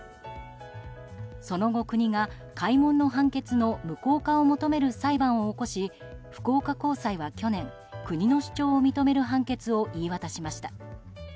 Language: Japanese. その後、国が開門の判決の無効化を求める裁判を起こし福岡高裁は去年国の主張を認める判決を言い渡しました。